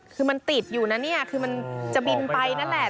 คือมันติดอยู่นะเนี่ยคือมันจะบินไปนั่นแหละ